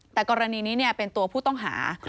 แต่กรณีนี้เป็นตัวผู้ต้องหา